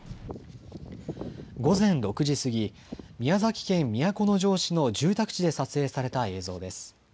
午前６時過ぎ、宮崎県都城市の住宅地で撮影された映像です。